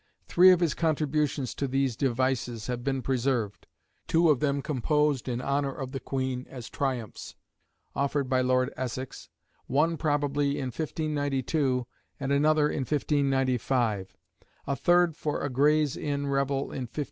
Three of his contributions to these "devices" have been preserved two of them composed in honour of the Queen, as "triumphs," offered by Lord Essex, one probably in 1592 and another in 1595; a third for a Gray's Inn revel in 1594.